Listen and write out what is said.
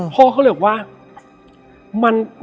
พ่อต้องเชื่อได้แล้วนะ